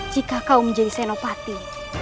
jika kau menjadi senopati